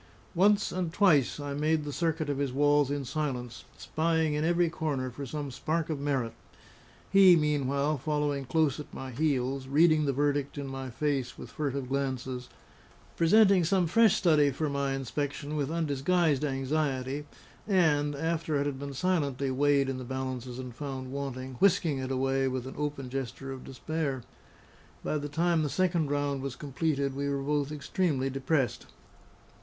Once and twice I made the circuit of his walls in silence, spying in every corner for some spark of merit; he, meanwhile, following close at my heels, reading the verdict in my face with furtive glances, presenting some fresh study for my inspection with undisguised anxiety, and (after it had been silently weighed in the balances and found wanting) whisking it away with an open gesture of despair. By the time the second round was completed, we were both extremely depressed.